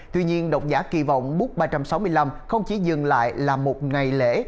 tuy nhiên độc giả kỳ vọng book ba trăm sáu mươi năm không chỉ dừng lại là một ngày lễ